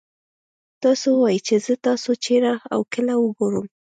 تاسو ووايئ چې زه تاسو چېرې او کله وګورم.